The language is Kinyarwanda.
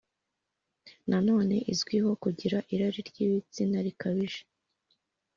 nanone izwiho kugira irari ry’ibitsina rikabije,